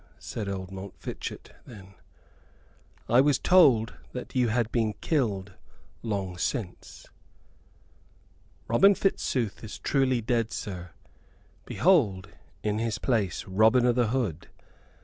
said old Montfichet, then. "I was told that you had been killed long since." "Robin Fitzooth is truly dead, sir. Behold in his place Robin o' th' Hood.